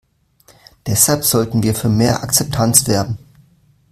Deshalb sollten wir für mehr Akzeptanz werben.